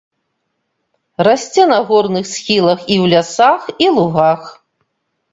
Расце на горных схілах і ў лясах і лугах.